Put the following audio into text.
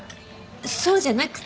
そうじゃなくて。